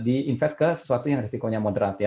jadi diinvestasi ke sesuatu yang resikonya moderat